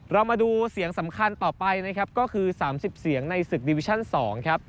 เรามาดูเสียงสำคัญต่อไปก็คือ๓๐เสียงในศึกดิวิชั่น๒